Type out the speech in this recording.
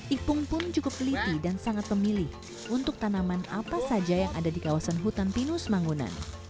ipung pun cukup teliti dan sangat pemilih untuk tanaman apa saja yang ada di kawasan hutan pinus manggunan